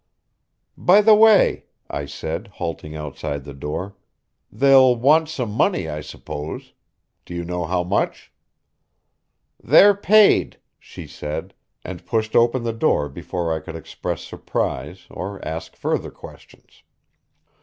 "By the way," I said, halting outside the door, "they'll want some money, I suppose. Do you know how much?" "They're paid," she said, and pushed open the door before I could express surprise or ask further questions.